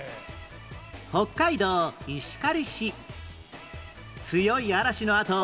北海道石狩市